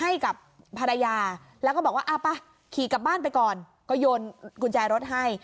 ให้กับภรรยาแล้วก็บอกว่าอ่าไปขี่กลับบ้านไปก่อนก็โยนกุญแจรถให้